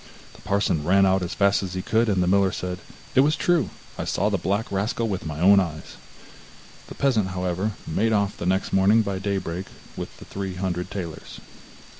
The parson ran out as fast as he could, and the miller said: 'It was true; I saw the black rascal with my own eyes.' The peasant, however, made off next morning by daybreak with the three hundred talers.